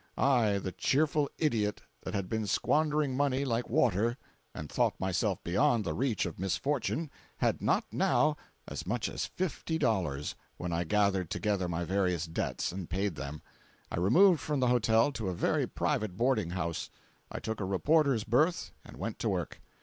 I, the cheerful idiot that had been squandering money like water, and thought myself beyond the reach of misfortune, had not now as much as fifty dollars when I gathered together my various debts and paid them. I removed from the hotel to a very private boarding house. I took a reporter's berth and went to work.